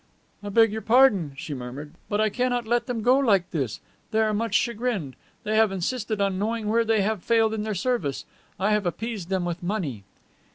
"I beg your pardon," she murmured, "but I cannot let them go like this. They are much chagrined. They have insisted on knowing where they have failed in their service. I have appeased them with money."